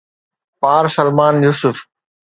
پارسلمان Yusuf.